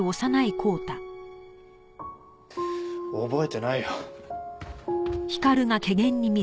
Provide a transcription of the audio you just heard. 覚えてないよ。